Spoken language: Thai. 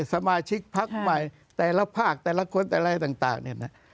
สมาชิกพักใหม่แต่ละภาคแต่ละคนแต่อะไรต่างเนี่ยนะ